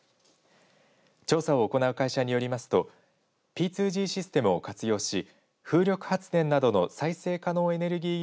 調査を行う会社によりますとＰ２Ｇシステムを活用し風力発電などの再生可能エネルギー